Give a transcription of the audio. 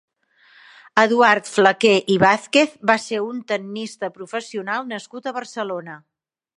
Eduard Flaquer i Vázquez va ser un tennista professional nascut a Barcelona.